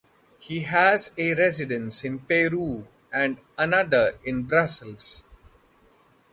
He has a residence in Peru and another in Brussels.